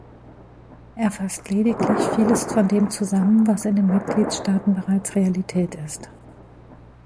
Er fasst lediglich vieles von dem zusammen, was in den Mitgliedstaaten bereits Realität ist.